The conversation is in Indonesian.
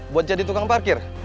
buat jadi tukang parkir